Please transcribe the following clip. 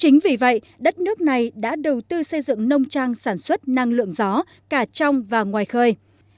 chính vì vậy đất nước này đã đầu tư xây dựng nông trang sản xuất năng lượng gió cả trong và ngoài khơi